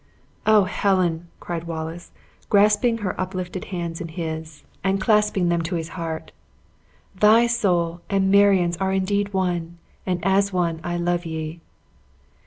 "O! Helen," cried Wallace, grasping her uplifted hands in his, and clasping them to his heart, "thy soul and Marion's are indeed one, and as one I love ye!"